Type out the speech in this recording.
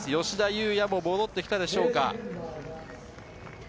吉田祐也も戻ってきたでしょうか。